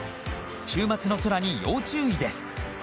週末の空に要注意です。